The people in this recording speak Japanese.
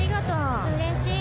うれしい。